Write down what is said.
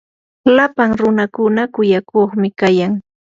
lapan runakuna kuyakuqi kayan.